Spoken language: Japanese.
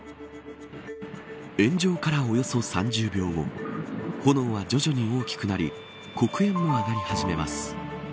炎上からおよそ３０秒後炎は、徐々に大きくなり黒煙も上がり始めます。